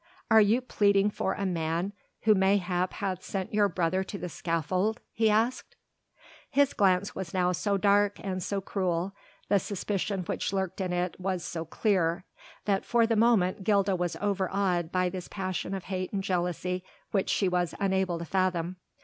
"Are you pleading for a man who mayhap hath sent your brother to the scaffold?" he asked. His glance now was so dark and so cruel, the suspicion which lurked in it was so clear, that for the moment Gilda was overawed by this passion of hate and jealousy which she was unable to fathom.